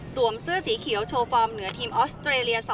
เสื้อสีเขียวโชว์ฟอร์มเหนือทีมออสเตรเลีย๒